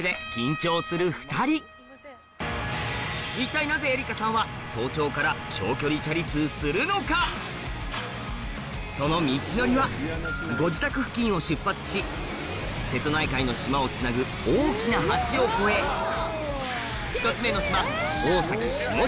する２人一体恵里花さんはその道のりはご自宅付近を出発し瀬戸内海の島をつなぐ大きな橋を越え１つ目の島